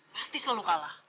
pasti selalu kalah